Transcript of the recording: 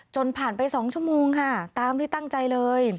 จนผ่านไป๒ชั่วโมงค่ะตามที่ตั้งใจเลย